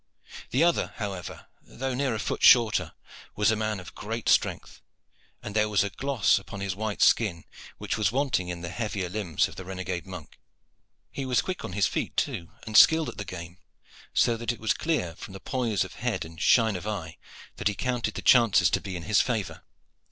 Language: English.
The other, however, though near a foot shorter, was a man of great strength; and there was a gloss upon his white skin which was wanting in the heavier limbs of the renegade monk. He was quick on his feet, too, and skilled at the game; so that it was clear, from the poise of head and shine of eye, that he counted the chances to be in his favor.